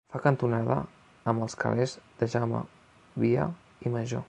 Fa cantonada amb els carrers de Jaume Via i Major.